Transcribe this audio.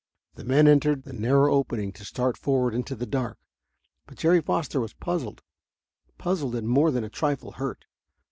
The men entered the narrow opening to start forward into the dark. But Jerry Foster was puzzled, puzzled and more than a trifle hurt.